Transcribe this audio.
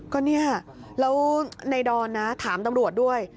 แล้วในดอนนะถามตำรวจด้วย